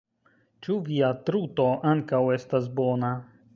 Ĉu via truto ankaŭ estas bona?